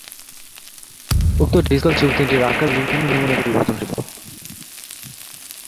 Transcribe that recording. উক্ত ডিসকাল ছোপ তিনটির আকার বিভিন্ন নমুনায় পরিবর্তনশীল।